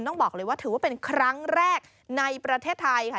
ต้องบอกเลยว่าถือว่าเป็นครั้งแรกในประเทศไทยค่ะ